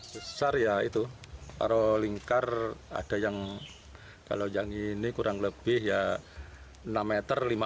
besar ya itu kalau lingkar ada yang kurang lebih enam meter lima puluh